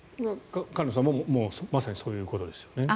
菅野さんもまさにそういうことですよね。